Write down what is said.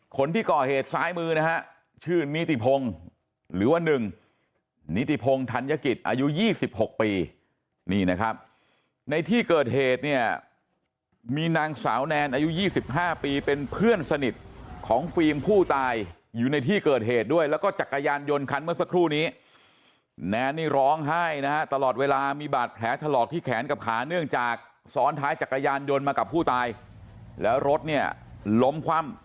คนที่ก่อเหตุซ้ายมือนะฮะชื่อนิติพงศ์หรือว่า๑นิติพงศ์ธัญกิจอายุ๒๖ปีนี่นะครับในที่เกิดเหตุเนี่ยมีนางสาวแนนอายุ๒๕ปีเป็นเพื่อนสนิทของฟิล์มผู้ตายอยู่ในที่เกิดเหตุด้วยแล้วก็จักรยานยนต์คันเมื่อสักครู่นี้แนนนี่ร้องไห้นะฮะตลอดเวลามีบาดแผลถลอกที่แขนกับขาเนื่องจากซ้อนท้ายจักรยานยนต์มากับผู้ตายแล้วรถเนี่ยล้มคว่ำ